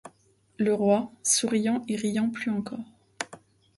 Le Roi, souriant et riant plus encore.